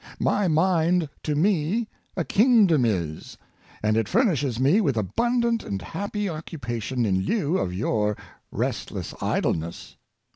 My mind to me a kingdom is, and it furnishes me with abundant and happy occupation in lieu of your restless idleness.